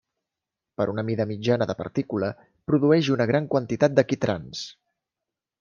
Per una mida mitjana de partícula produeix una gran quantitat de quitrans.